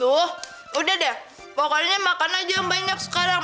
wah udah deh pokoknya makan aja yang banyak sekarang